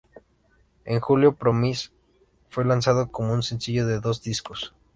En julio "Promise" fue lanzado como un sencillo de dos discos.